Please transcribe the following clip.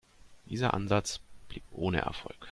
Dieser Ansatz blieb ohne Erfolg.